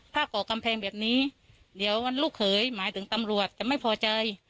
ถ้าก่อกำแพงแบบนี้เดี๋ยวลูกเขยหมายถึงตำรวจจะไม่พอใจ